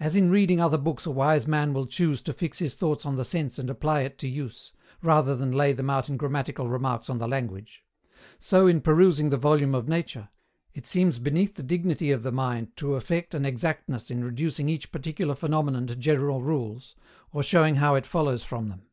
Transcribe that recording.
As in reading other books a wise man will choose to fix his thoughts on the sense and apply it to use, rather than lay them out in grammatical remarks on the language; so, in perusing the volume of nature, it seems beneath the dignity of the mind to affect an exactness in reducing each particular phenomenon to general rules, or showing how it follows from them.